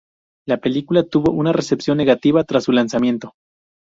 La película tuvo una recepción negativa tras su lanzamiento.